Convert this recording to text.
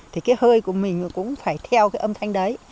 thì cái hơi của mình cũng phải theo cái âm thanh đấy